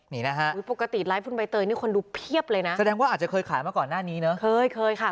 นี่นะฮะอุ้ยปกติไลฟ์คุณใบเตยนี่คนดูเพียบเลยนะแสดงว่าอาจจะเคยขายมาก่อนหน้านี้เนอะเคยเคยค่ะ